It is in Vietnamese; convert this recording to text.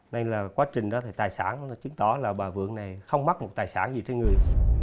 nên là quá trình đó thì tài sản chứng tỏ là bà vượng này không mất một tài sản gì trên người